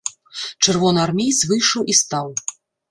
Чырвонаармеец выйшаў і стаў.